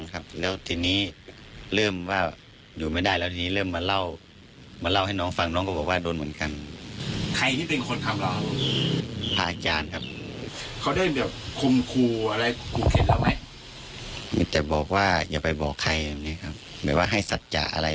คือบอกว่าอย่าไปบอกใครต้องมีศัตริย์